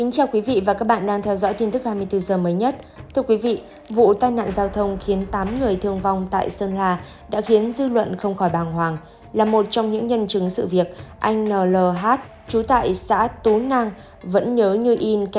chào mừng quý vị đến với bộ phim hãy nhớ like share và đăng ký kênh của chúng mình nhé